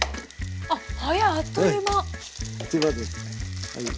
あっ早いあっという間。